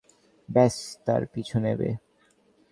ব্যস তার পিছু নেবে?